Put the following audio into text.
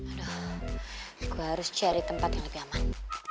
aduh gue harus cari tempat yang lebih aman